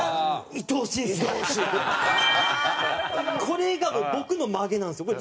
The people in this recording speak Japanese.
これが僕の曲げなんですよ。